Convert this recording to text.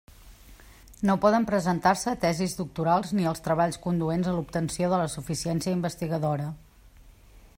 No poden presentar-se tesis doctorals ni els treballs conduents a l'obtenció de la suficiència investigadora.